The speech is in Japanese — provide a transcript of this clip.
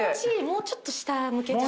もうちょっと下か。